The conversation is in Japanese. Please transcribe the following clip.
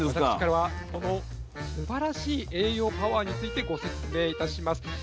私からはそのすばらしい栄養パワーについてご説明いたします。